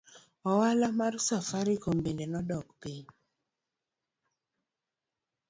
Ohala mar safaricom bende nodok piny.